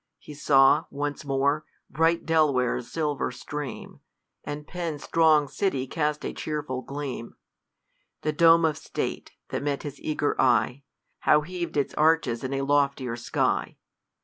He saw, once more, bright DcPware's silver stream. And Penn's throng'd city cast a chcft ful gleam ; The dome of state, that met his eager eye^ Now heav'd its arches in a loftier sky.